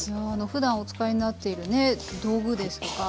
ふだんお使いになっているね道具ですとか。